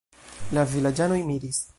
La vilaĝanoj miris.